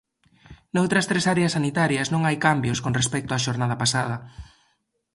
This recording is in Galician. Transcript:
Noutras tres áreas sanitarias non hai cambios con respecto á xornada pasada.